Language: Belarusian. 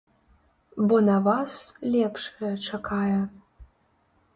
Бо на вас лепшая чакае.